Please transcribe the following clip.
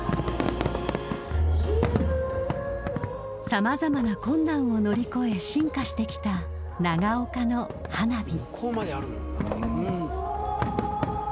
さまざまな困難を乗り越え進化してきた長岡の花火。